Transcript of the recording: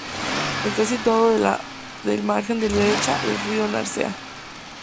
Está situado en la margen derecha del río Narcea.